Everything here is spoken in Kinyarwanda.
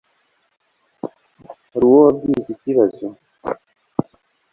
Hari uwo wabwiye iki kibazo